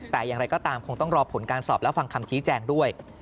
แต่อย่างไรก็ตามคงต้องรอผลการสอบและฟังคำชี้แจงด้วย